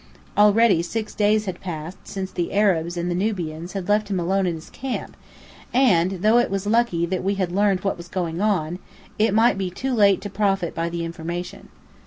Already six days had passed since the Arabs and Nubians had left him alone in his camp; and though it was lucky that we had learned what was going on, it might be too late to profit by the information.